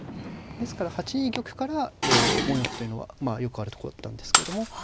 ですから８二玉から５四歩というのはよくあるとこだったんですけども。